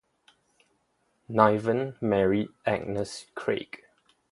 Niven married Agnes Craig.